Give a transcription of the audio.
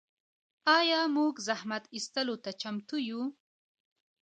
آیا موږ زحمت ایستلو ته چمتو یو؟